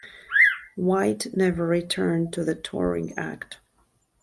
Whyte never returned to the touring act.